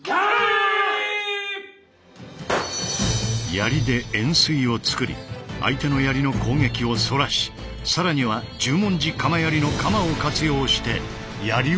槍で円錐を作り相手の槍の攻撃をそらしさらには十文字鎌槍の鎌を活用して槍を落とす。